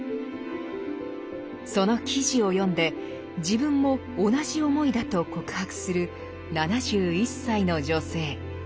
その記事を読んで自分も同じ思いだと告白する７１歳の女性。